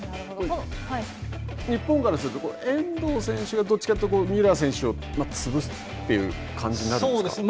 日本からすると遠藤選手がどっちかというとミュラー選手を潰すという感じになりますか。